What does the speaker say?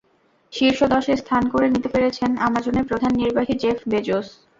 শীর্ষ দশে স্থান করে নিতে পেরেছেন আমাজনের প্রধান নির্বাহী জেফ বেজোস।